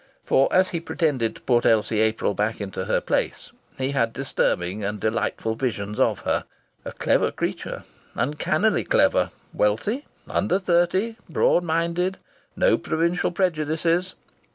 For, as he pretended to put Elsie April back into her place, he had disturbing and delightful visions of her. A clever creature! Uncannily clever! Wealthy! Under thirty! Broad minded! No provincial prejudices!...